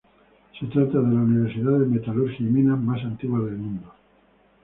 Se trata de la universidad de metalurgia y minas más antigua del mundo.